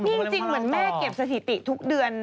นี่จริงเหมือนแม่เก็บสถิติทุกเดือน